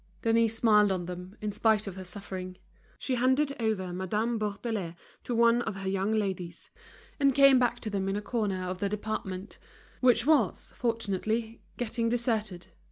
Denise smiled on them, in spite of her suffering. She handed over Madame Bourdelais to one of her young ladies, and came back to them in a corner of the department, which was, fortunately, getting deserted.